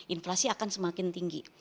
inflasi akan semakin tinggi